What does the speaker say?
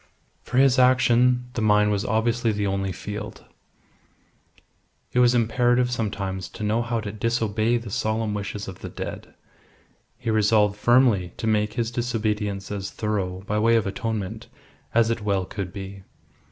For his action, the mine was obviously the only field. It was imperative sometimes to know how to disobey the solemn wishes of the dead. He resolved firmly to make his disobedience as thorough (by way of atonement) as it well could be.